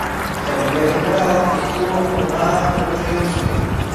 La primera temporada estuvo conformada por ocho episodios.